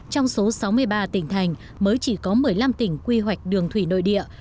trong số sáu mươi ba tỉnh thành mới chỉ có một mươi năm tỉnh quy hoạch đường thủy nội địa